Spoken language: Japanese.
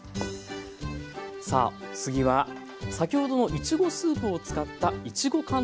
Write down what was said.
さあ次は先ほどのいちごスープを使ったいちご寒天です。